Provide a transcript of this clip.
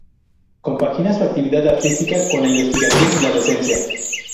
Compagina su actividad artística con la investigación y la docencia.